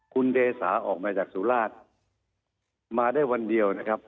คุณเดสาออกมาจากสุราชมาได้วันเดียวนะครับ